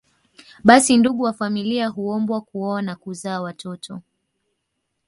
Basi ndugu wa familia huombwa kuoa na kuzaa watoto